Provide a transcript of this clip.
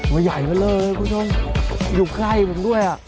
ตัวใหญ่มาเลยคุณผู้ชมอยู่ใกล้ผมด้วยอ่ะ